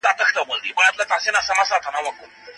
مرګ يـې ځــيـني مړ سي